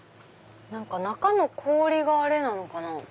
中の氷があれなのかな。